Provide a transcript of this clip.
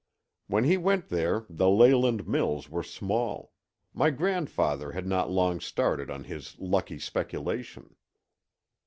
When he went there the Leyland mills were small; my grandfather had not long started on his lucky speculation."